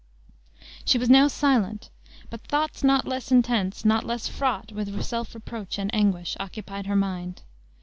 She was now silent; but thoughts not less intense, not less fraught with self reproach and anguish, occupied her mind.